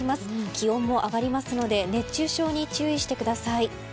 気温も上がりますので熱中症に注意してください。